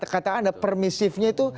kata anda permissive nya itu